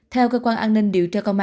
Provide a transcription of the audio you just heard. theo cơ quan an ninh điều tra công an